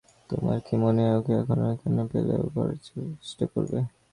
তোমার কী মনে হয় ওকে কখনও একা পেলে ও কী করার চেষ্টা করবে?